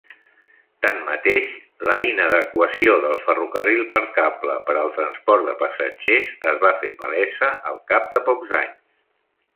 Tanmateix, la inadequació del ferrocarril per cable per al transport de passatgers es va fer palesa al cap de pocs anys.